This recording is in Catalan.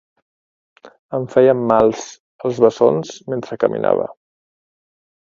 Em feien mals els bessons mentre caminava.